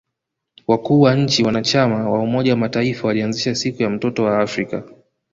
Wakuu wa nchi wanachama wa umoja wa mataifa walianzisha siku ya mtoto wa Afrika